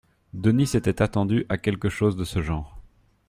Denis s’était attendu à quelque chose de ce genre.